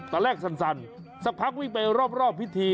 ตอนแรกสั่นสักพักวิ่งไปรอบพิธี